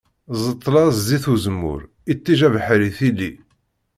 Ẓẓeṭla d zzit uzemmur, iṭij abeḥri tili.